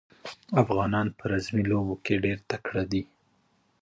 افغانان په رزمي لوبو کې ډېر تکړه دي.